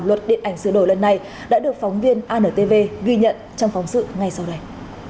luật điện ảnh sửa đổi lần này đã được phóng viên antv ghi nhận trong phóng sự ngay sau đây